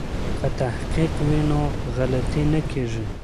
که تحقیق وي نو غلطي نه کیږي.